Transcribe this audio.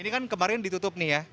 ini kan kemarin ditutup nih ya